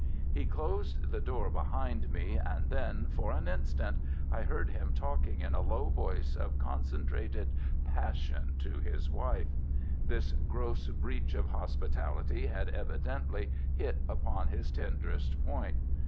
He closed the door behind me, and then, for an instant, I heard him talking in a low voice of concentrated passion to his wife. This gross breach of hospitality had evidently hit upon his tenderest point.